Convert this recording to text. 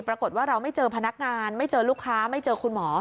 ปรากฏว่าเราไม่เจอพนักงานไม่เจอลูกค้าไม่เจอคุณหมอ